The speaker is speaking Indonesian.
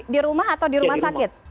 di rumah atau di rumah sakit